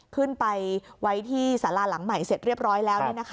ขึ้นไปไว้ที่สาราหลังใหม่เสร็จเรียบร้อยแล้ว